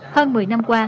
hơn một mươi năm qua